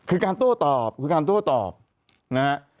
คือการโต้ตอบคือการโต้ตอบนะฮะ